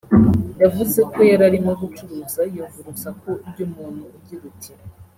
yavuze ko yararimo gucuruza yumva urusaku ry’umuntu ugira ati